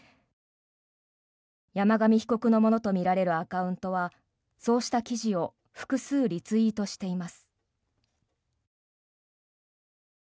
山上被告のものとみられるアカウントはそうした記事を複数リツイートしています。